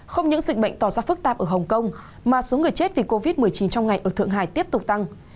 không những dịch bệnh tỏ ra phức tạp ở hồng kông mà số người chết vì covid một mươi chín trong ngày ở thượng hải tiếp tục tăng